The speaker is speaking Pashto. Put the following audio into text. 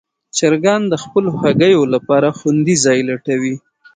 چرګان د خپلو هګیو لپاره خوندي ځای لټوي.